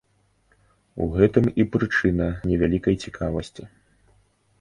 У гэтым і прычына не вялікай цікавасці.